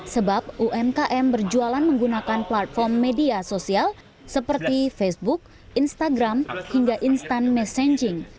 sebab umkm berjualan menggunakan platform media sosial seperti facebook instagram hingga instant messaging